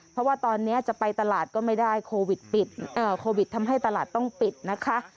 เพราะว่าตอนนี้จะไปตลาดก็ไม่ได้โควิดปิดโควิดทำให้ตลาดต้องปิดนะคะ